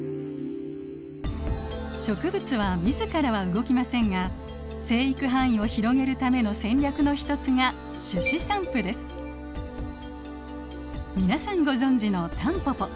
植物は自らは動きませんが生育範囲を広げるための戦略の一つが皆さんご存じのタンポポ。